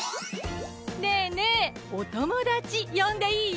ねえねえおともだちよんでいい？